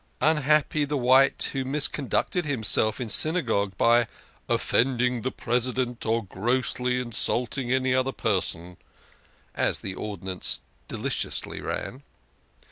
Unhappy the wight who misconducted himself in Synagogue " by offending the presi dent, or grossly insulting any other person," as the ordi nance deliciously ran.